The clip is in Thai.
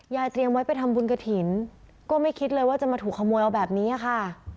เตรียมไว้ไปทำบุญกระถิ่นก็ไม่คิดเลยว่าจะมาถูกขโมยเอาแบบนี้ค่ะ